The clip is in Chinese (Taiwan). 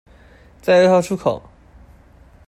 在二號出口